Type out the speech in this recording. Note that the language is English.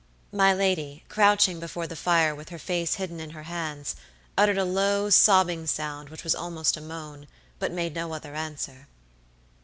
My lady, crouching before the fire with her face hidden in her hands, uttered a low, sobbing sound which was almost a moan, but made no other answer.